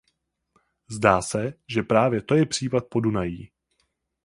Zdá se, že právě to je případ Podunají.